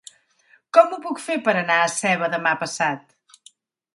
Com ho puc fer per anar a Seva demà passat?